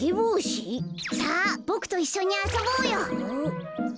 さあボクといっしょにあそぼうよ。